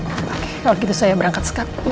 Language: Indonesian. kalau gitu saya berangkat sekarang